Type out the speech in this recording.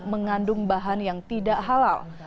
mengandung bahan yang tidak halal